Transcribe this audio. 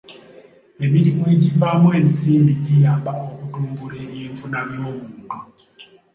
Emirimu egivaamu ensimbi giyamba okutumbula ebyenfuna by'omuntu.